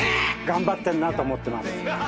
頑張ってるなと思ってます